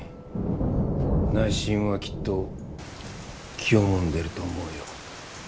内心はきっと気をもんでると思うよ。